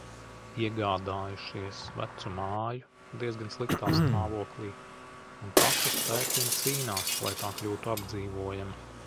Iegādājušies vecu māju, diezgan sliktā stāvoklī, un pašu spēkiem cīnās, lai tā kļūtu apdzīvojama.